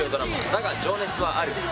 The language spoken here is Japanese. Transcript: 『だが、情熱はある』。